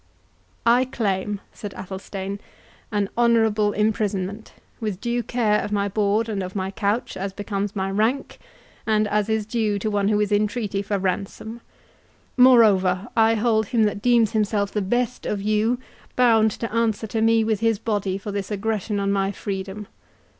"I claim," said Athelstane, "an honourable imprisonment, with due care of my board and of my couch, as becomes my rank, and as is due to one who is in treaty for ransom. Moreover, I hold him that deems himself the best of you, bound to answer to me with his body for this aggression on my freedom.